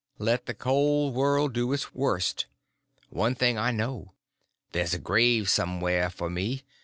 Let the cold world do its worst; one thing I know—there's a grave somewhere for me.